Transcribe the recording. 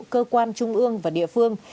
cơ quan trung ương và địa phương